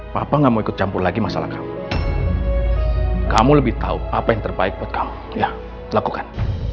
papa nggak mau ikut campur lagi masalah kamu kamu lebih tahu apa yang terbaik buat kamu ya lakukan